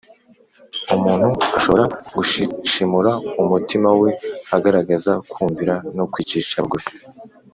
umuntu ashobora gushishimura umutima we agaragaza kumvira no kwicisha bugufi